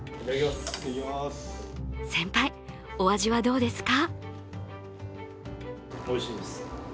先輩、お味はどうですか？